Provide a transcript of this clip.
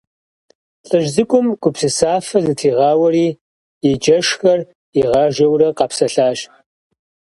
ЛӀыжь цӀыкӀум гупсысафэ зытригъауэри, и джэшхэр игъажэурэ къэпсэлъащ.